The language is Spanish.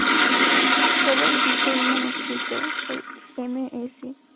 Solo existe un manuscrito, el Ms.